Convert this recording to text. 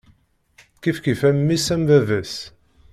Kifkif am mmi-s, am baba-s.